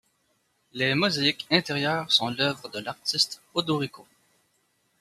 Les mosaïques intérieures sont l’œuvre de l'artiste Odorico.